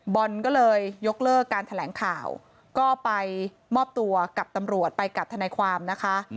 บอลก็เลยยกเลิกการแถลงข่าวก็ไปมอบตัวกับตำรวจไปกับทนายความนะคะ